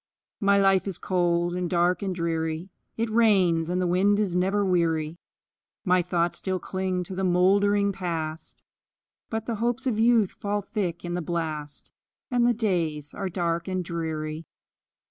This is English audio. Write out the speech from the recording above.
My life is cold, and dark, and dreary; It rains, and the wind is never weary; My thoughts still cling to the moldering Past, But the hopes of youth fall thick in the blast, And the days are dark and dreary.